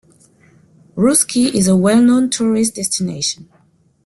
Roosky is a well known tourist destination.